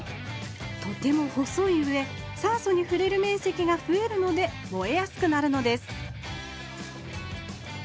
とても細いうえ酸素にふれるめんせきがふえるので燃えやすくなるのです